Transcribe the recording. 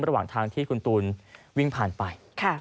ระหว่างทางที่คุณตูนวิ่งผ่านไป